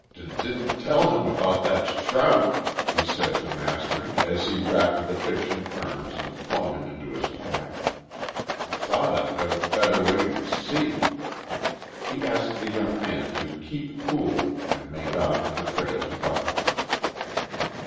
"D didn't tell him 'bout that t trout," he said to Master as he wrapped the fish in ferns and flung him into his pack. "Th thought I b better wait an' s see." He asked the young man to "keep cool," and made off in the trail to Buckhorn.